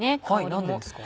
何でですか？